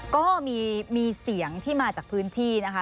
ก็มีเสียงที่มาจากพื้นที่นะคะ